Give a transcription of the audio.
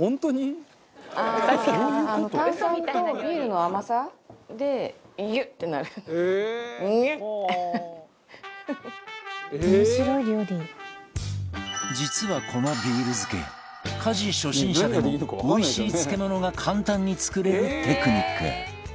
炭酸とビールの甘さで実はこのビール漬け家事初心者でもおいしい漬け物が簡単に作れるテクニック